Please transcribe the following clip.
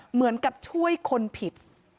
เหมือนกับช่วยคนผิด